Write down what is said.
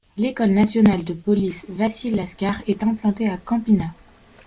L'École nationale de police Vasile-Lăscar est implantée à Câmpina.